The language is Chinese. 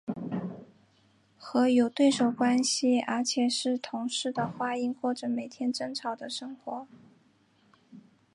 和有对手关系而且是同室的花音过着每天争吵的生活。